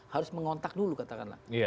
harus mengontak dulu katakanlah